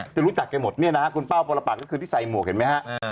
จะรู้จักกันหมดนี่นะครับคุณเป้าปลปักก็คือที่ใส่หมวกเห็นไหมครับ